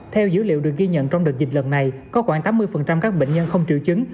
theo dữ liệu được ghi nhận trong đợt dịch lần này có khoảng tám mươi các bệnh nhân không triệu chứng